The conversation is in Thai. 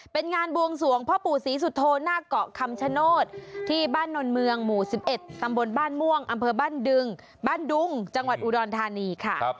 เป็นงานบวงสวงพ่อปู่ศรีสุโธหน้าเกาะคำชโนธที่บ้านนนเมืองหมู่๑๑ตำบลบ้านม่วงอำเภอบ้านดึงบ้านดุงจังหวัดอุดรธานีค่ะ